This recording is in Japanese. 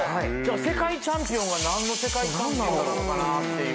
世界チャンピオンが何の世界チャンピオンなのかなっていう。